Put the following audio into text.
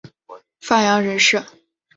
范阳人氏。